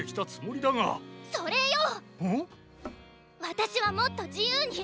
私はもっと自由に！